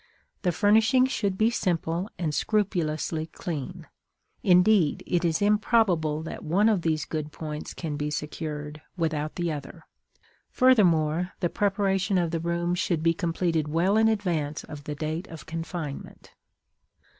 The furnishing should be simple and scrupulously clean; indeed, it is improbable that one of these good points can be secured without the other. Furthermore, the preparation of the room should be completed well in advance of the date of confinement.